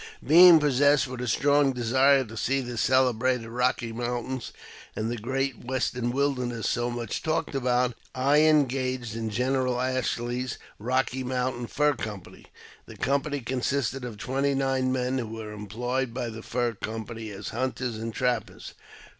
Being possessed with a strong desire to see the celebrated Eocky Mountains, and the great Western wilderness so much talked about, I engaged in General Ashley's Eocky Mountain Fur Company. The company consisted of twenty nine men, who were employed by the Fur Company as hunters and trappers.